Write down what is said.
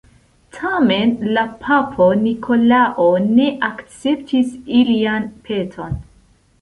Tamen la papo Nikolao ne akceptis ilian peton.